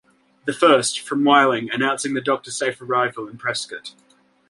The first, from Willing, announcing the doctor's safe arrival in Prescott.